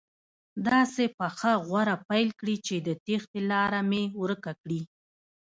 داسې پخه غوره پیل کړي چې د تېښتې لاره مې ورکه کړي.